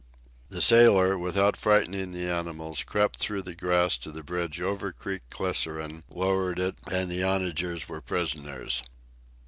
The sailor, without frightening the animals, crept through the grass to the bridge over Creek Glycerine, lowered it, and the onagers were prisoners.